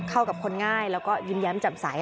เข้ากับคนง่ายแล้วก็ยิ้มแย้มจำใส